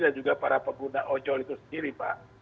dan juga para pengguna ojol itu sendiri mbak